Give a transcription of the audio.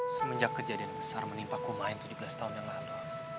semenjak kejadian besar menimpa kumain tujuh belas tahun yang lalu